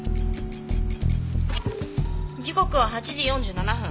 時刻は８時４７分。